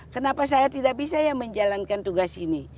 kenapa saya tidak bisa ya menjalankan tugas ini